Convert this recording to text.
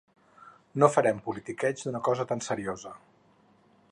No farem politiqueig d’una cosa tan seriosa.